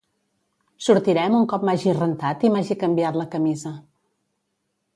Sortirem un cop m'hagi rentat i m'hagi canviat la camisa.